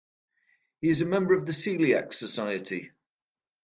He is a member of the Coeliac Society.